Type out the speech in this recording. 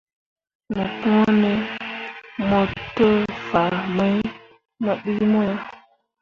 Mo kõoni mo te fah mai mu ɗii mo ah.